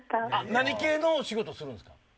何系の仕事するんですか。